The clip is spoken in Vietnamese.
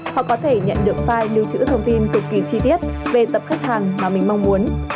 họ có thể nhận được file lưu trữ thông tin cực kỳ chi tiết về tập khách hàng mà mình mong muốn